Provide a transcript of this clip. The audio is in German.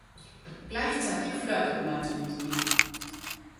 Gleichzeitig flirtet Malte mit ihr.